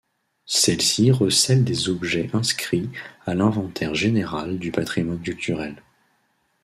Celle-ci recèle des objets inscrits à l'inventaire général du patrimoine culturel.